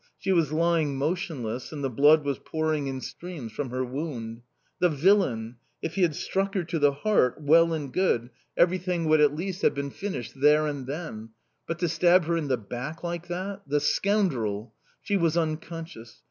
She was lying motionless, and the blood was pouring in streams from her wound. The villain! If he had struck her to the heart well and good, everything would at least have been finished there and then; but to stab her in the back like that the scoundrel! She was unconscious.